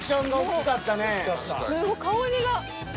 すご香りが。